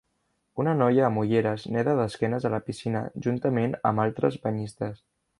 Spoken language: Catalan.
Una noia amb ulleres neda d'esquenes a la piscina juntament amb altres banyistes.